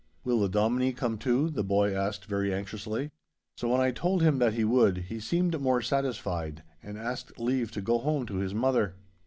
'Will the Dominie come too?' the boy asked very anxiously. So when I told him that he would, he seemed more satisfied, and asked leave to go home to his mother.